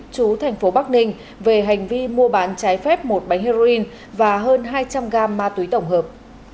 chú thành phố bắc ninh về hành vi mua bán trái phép một bánh heroin và hơn hai trăm linh gram ma túy tổng hợp